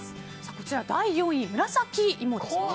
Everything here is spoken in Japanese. こちら第４位、紫芋ですか。